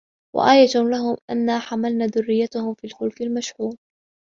وَآيَةٌ لَهُم أَنّا حَمَلنا ذُرِّيَّتَهُم فِي الفُلكِ المَشحونِ